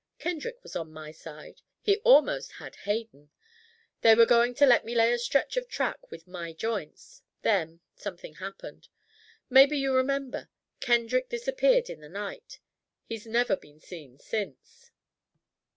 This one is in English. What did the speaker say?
Kendrick was on my side he almost had Hayden. They were going to let me lay a stretch of track with my joints. Then something happened. Maybe you remember. Kendrick disappeared in the night he's never been seen since."